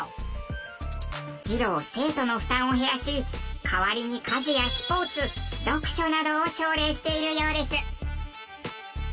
児童生徒の負担を減らし代わりに家事やスポーツ読書などを奨励しているようです。